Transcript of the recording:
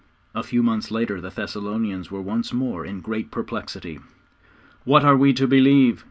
A few months later the Thessalonians were once more in great perplexity. 'What are we to believe?'